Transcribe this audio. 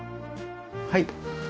はい。